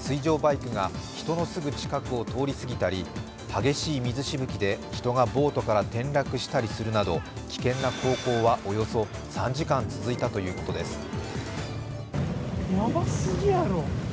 水上バイクが人のすぐ近くを通り過ぎたり、激しい水しぶきで人がボートから転落したりするなど、危険な航行はおよそ３時間続いたということです